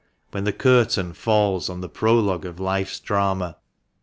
when the curtain falls on the prologue of life's drama.